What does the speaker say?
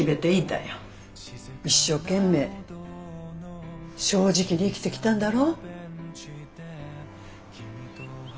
一生懸命正直に生きてきたんだろ？